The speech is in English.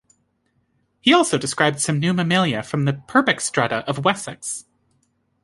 He also described some new mammalia from the Purbeck strata of Wessex.